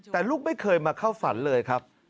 แต่ลูกไม่เคยมาเข้าฝันเลยครับ